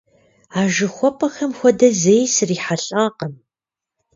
А жыхуэпӀэхэм хуэдэ зэи срихьэлӀакъым.